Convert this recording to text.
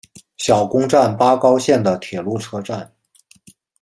小宫站八高线的铁路车站。